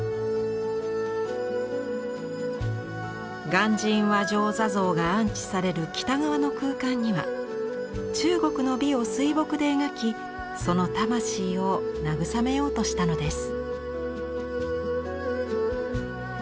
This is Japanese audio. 鑑真和上坐像が安置される北側の空間には中国の美を水墨で描きその魂を慰めようとしたのです。